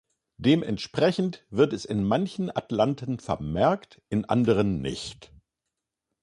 Dementsprechend wird es in manchen Atlanten vermerkt, in anderen nicht.